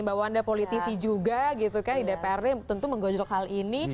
mbak wanda politisi juga gitu kan di dprd tentu menggojok hal ini